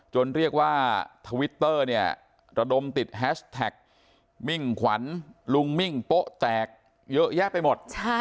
เรียกว่าทวิตเตอร์เนี่ยระดมติดแฮชแท็กมิ่งขวัญลุงมิ่งโป๊ะแตกเยอะแยะไปหมด